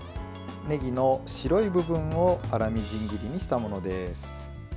ねぎの白い部分を粗みじん切りにしたものです。